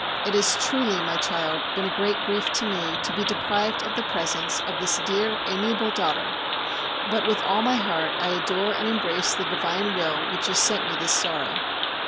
It has truly, my child, been a great grief to me to be deprived of the presence of this dear, amiable daughter, but with all my heart I adore and embrace the divine will which has sent me this sorrow.